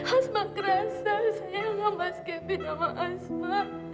asma kerasa sayangnya mas kevin sama asma